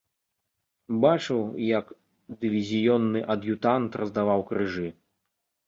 Бачыў, як дывізіённы ад'ютант раздаваў крыжы.